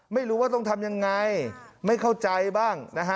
ไม่รู้ว่าต้องทำยังไงไม่เข้าใจบ้างนะฮะ